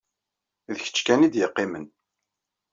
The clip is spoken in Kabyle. D kečč kan ay d-yeqqimen.